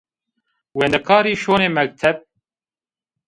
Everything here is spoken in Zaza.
Wendekarî şonê mekteb.